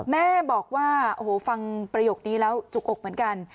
แม่บอกว่าโอ้โหฟังประโยคนี้แล้วจุกอกเหมือนกัน